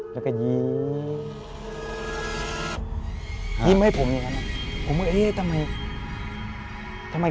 แล้วก็ยิ้มยิ้มให้ผมอย่างงี้นะผมก็เอ๊ตำไม